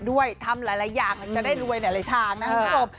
ด้วยทำหลายอย่างมันจะได้รวยในหลายทางพี่บุ๊บ